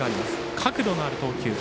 角度のある投球。